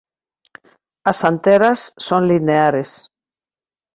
As anteras son lineares.